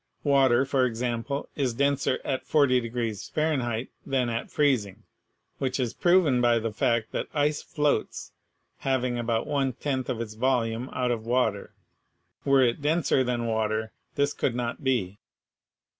Water, for example, is denser at 40 Fahrenheit than at freezing, which is proven by the fact that ice floats, having about one tenth of its vol ume out of water. Were it denser than water, this could not be.